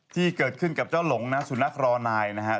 ที่เกิดขึ้นกับเจ้าหลงนะสุนัขรอนายนะครับ